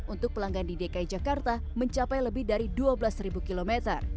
untuk pelanggan di dki jakarta mencapai lebih dari dua belas km